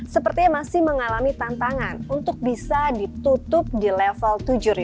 sepertinya masih mengalami tantangan untuk bisa ditutup di level tujuh